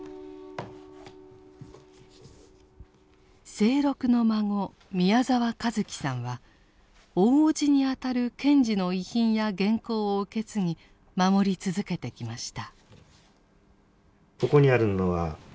清六の孫宮澤和樹さんは大伯父にあたる賢治の遺品や原稿を受け継ぎ守り続けてきました。